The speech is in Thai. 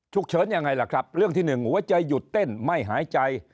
เฉินยังไงล่ะครับเรื่องที่หนึ่งหัวใจหยุดเต้นไม่หายใจ